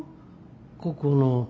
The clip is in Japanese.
ここの。